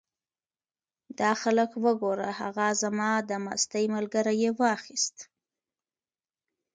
دا خلک وګوره! هغه زما د مستۍ ملګری یې واخیست.